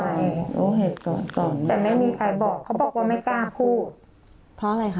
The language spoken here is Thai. แต่ไม่มีใครบอกเขาบอกว่าไม่กล้าพูดเพราะอะไรคะ